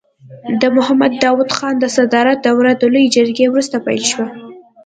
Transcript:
د محمد داود خان د صدارت دوره د لويې جرګې وروسته پیل شوه.